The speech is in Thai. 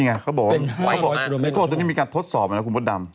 ภายในประจงนี้มีการทดสอบมันนะคุณบสดำ